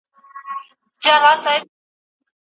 سوله د ژوند حق خوندي ساتي.